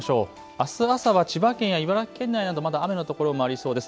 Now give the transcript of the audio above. あす朝は千葉県や茨城県内などまだ雨の所もありそうです。